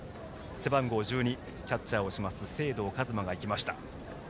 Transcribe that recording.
背番号１２、キャッチャー清藤和真が行きました。